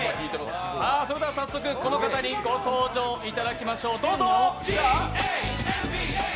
それでは早速、この方にご登場いただきましょう。